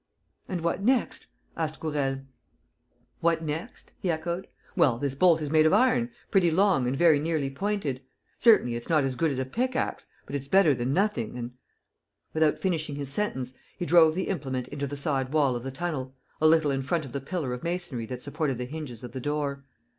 "And what next?" asked Gourel. "What next?" he echoed. "Well, this bolt is made of iron, pretty long and very nearly pointed. Certainly, it's not as good as a pick axe, but it's better than nothing and ..." Without finishing his sentence, he drove the implement into the side wall of the tunnel, a little in front of the pillar of masonry that supported the hinges of the door.